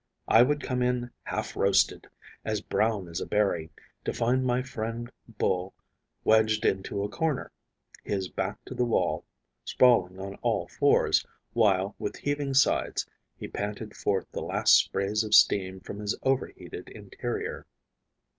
I would come in half roasted, as brown as a berry, to find my friend Bull wedged into a corner, his back to the wall, sprawling on all fours, while, with heaving sides, he panted forth the last sprays of steam from his overheated interior.